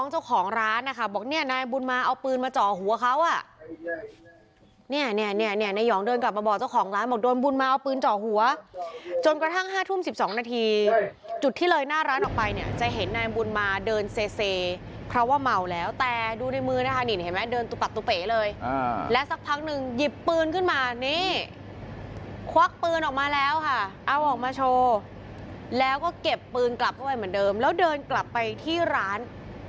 เตรียบปืนกลับเข้าไปเหมือนเดิมแล้วเดินกลับไปที่ร้าน